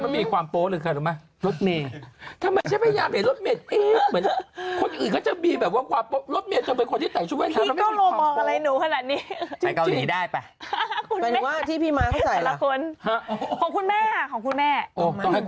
มันว่าพี่พี่มานก็กลัวของขุนแม่ของขุนแม่